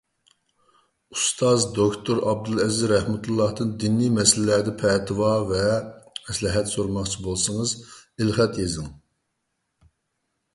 ئۇستاز دوكتور ئابدۇلئەزىز رەھمەتۇللاھتىن دىنىي مەسىلىلەردە پەتىۋا ۋە مەسلىھەت سورىماقچى بولسىڭىز، ئېلخەت يېزىڭ.